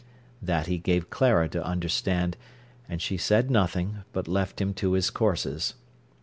That he gave Clara to understand, and she said nothing, but left him to his courses.